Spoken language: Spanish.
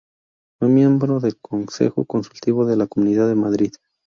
Fue miembro del Consejo Consultivo de la Comunidad de Madrid.